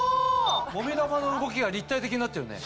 もみ玉の動きが立体的になってるね。